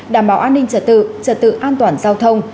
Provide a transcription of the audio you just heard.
đảm bảo an ninh trật tự trật tự an toàn giao thông